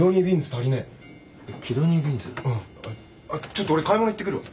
ちょっと俺買い物行ってくるわ。